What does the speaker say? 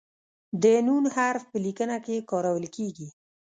د "ن" حرف په لیکنه کې کارول کیږي.